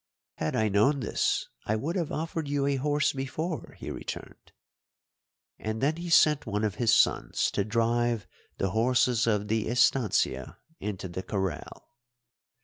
"Had I known this I would have offered you a horse before," he returned, and then he sent one of his sons to drive the horses of the estancia into the corral.